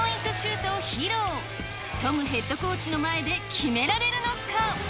トムヘッドコーチの前で決められるのか。